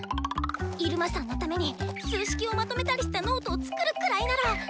イルマさんのために数式をまとめたりしたノートを作るくらいなら。